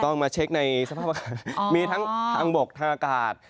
ต้องมาเช็คในสภาพมีทั้งทางบกทางอากาศ